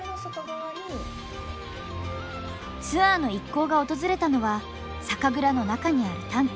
ツアーの一行が訪れたのは酒蔵の中にあるタンク。